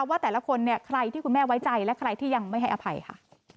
ว่าแต่ละคนเนี่ยใครที่คุณแม่ไว้ใจและใครที่ยังไม่ให้อภัยค่ะ